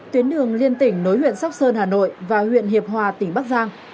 tuyến đường liên tỉnh nối huyện sóc sơn hà nội và huyện hiệp hòa tỉnh bắc giang